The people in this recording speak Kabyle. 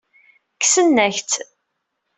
Kksen-ak-tt.